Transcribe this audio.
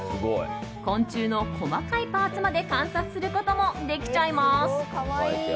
昆虫の細かいパーツまで観察することもできちゃいます。